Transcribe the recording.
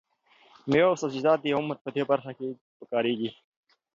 مېوه او سبزیجات د عمر په دې برخه کې پکارېږي.